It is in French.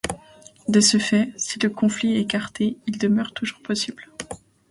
De ce fait, si le conflit est écarté il demeure toujours possible.